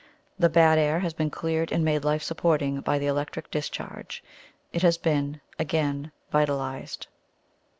The bad air has been cleared and made life supporting by the electric discharge. It has been again vitalised.